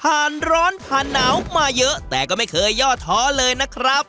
ร้อนผ่านหนาวมาเยอะแต่ก็ไม่เคยย่อท้อเลยนะครับ